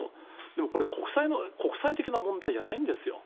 でもこれ、国際的な問題じゃないんですよ。